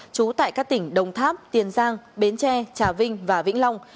trú tại các tỉnh đồng tháp tiền giang bến tre trà vinh và vĩnh long